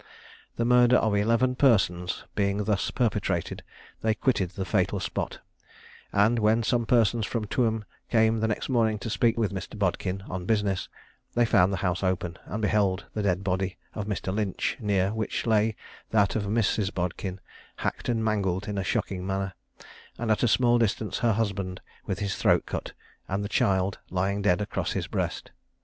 The murder of eleven persons being thus perpetrated, they quitted the fatal spot; and, when some persons from Tuam came the next morning to speak with Mr. Bodkin on business, they found the house open, and beheld the dead body of Mr. Lynch, near which lay that of Mrs. Bodkin, hacked and mangled in a shocking manner; and, at a small distance, her husband, with his throat cut, and the child lying dead across his breast.